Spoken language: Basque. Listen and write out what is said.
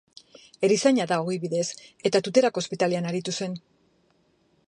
Erizaina da ogibidez, eta Tuterako Ospitalean aritu zen.